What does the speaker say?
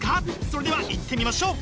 それではいってみましょう！